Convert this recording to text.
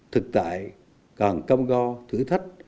thực tại cần căm go thử thách